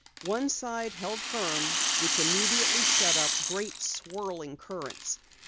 One side held firm which immediately set up great swirling currents.